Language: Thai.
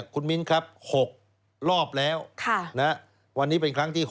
คุณมิ้นครับ๖รอบแล้ววันนี้เป็นครั้งที่๖